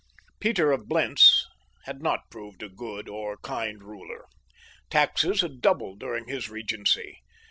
Peter of Blentz had not proved a good or kind ruler. Taxes had doubled during his regency.